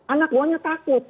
anak buahnya takut